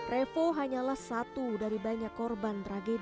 revo hanyalah satu dari banyak korban tragedi